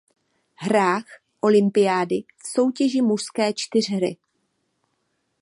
Hrách olympiády v soutěži mužské čtyřhry.